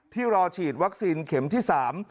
ที่รอฉีดวัคซีนเข็มที่๓